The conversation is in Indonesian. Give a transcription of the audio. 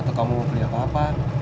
atau kamu mau beli apa apa